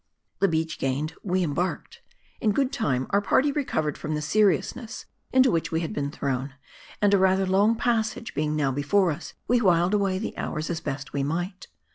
THE beach gained, 'we embarked. In good time our party recovered from the seriousness into which we had been thrown ; and a rather long passage being now before us, we whiled away the hours as best we might.